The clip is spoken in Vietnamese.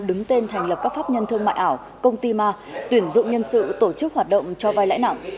đứng tên thành lập các pháp nhân thương mại ảo công ty ma tuyển dụng nhân sự tổ chức hoạt động cho vai lãi nặng